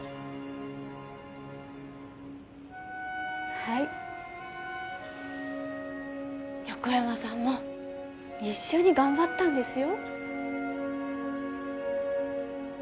はい、横山さんも一緒に頑張ったんですよ。